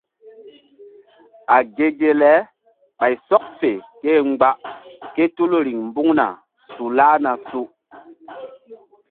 A ge ge le ɓay sɔk fe ké-e mgba ke tul riŋ mbuŋna su lahna su.